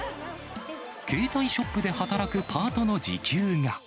携帯ショップで働くパートの時給が。